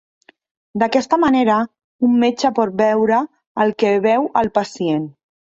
D'aquesta manera, un metge pot "veure" el que veu el pacient.